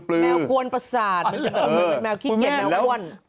แมวกวนประสาทแมวขี้เกียจแมวกวน